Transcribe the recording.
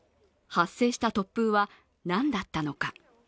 発生した突風は何だったのか。